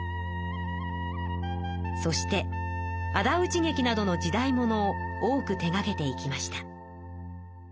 そしてあだうち劇などの時代物を多く手がけていきました。